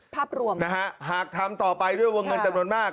ภาพรวมนะฮะหากทำต่อไปด้วยวงเงินจำนวนมาก